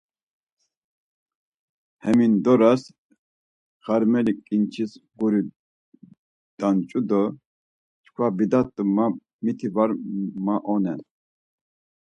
Hemindoras xarmeli ǩinçis guri danç̌u do, Çkva bidat do ma miti var maonen.